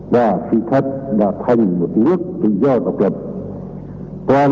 và sự thật đã thành một nước tự do và độc lập